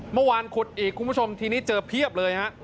เมื่อวานขุดอีกคุณผู้ชมทีนี้เจอเพียบเลยฮะ